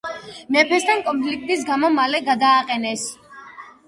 მეფესთან კონფლიქტის გამო მალე გადააყენეს.